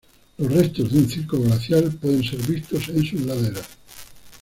Los restos de un circo glaciar pueden ser vistos en sus laderas.